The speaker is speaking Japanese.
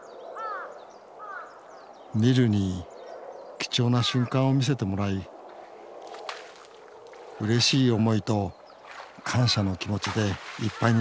ニルに貴重な瞬間を見せてもらいうれしい思いと感謝の気持ちでいっぱいになります